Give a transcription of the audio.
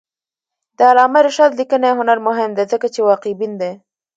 د علامه رشاد لیکنی هنر مهم دی ځکه چې واقعبین دی.